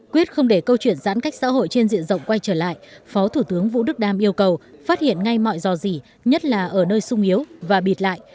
quyết không để câu chuyện giãn cách xã hội trên diện rộng quay trở lại phó thủ tướng vũ đức đam yêu cầu phát hiện ngay mọi dò dỉ nhất là ở nơi sung yếu và bịt lại